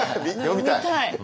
読みたい！